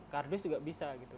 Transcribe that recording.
kardus juga bisa gitu